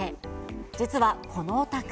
実は、このお宅。